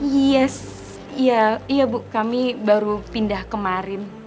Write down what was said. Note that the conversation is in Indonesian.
yes iya iya bu kami baru pindah kemarin